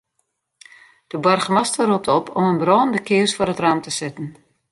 De boargemaster ropt op om in brânende kears foar it raam te setten.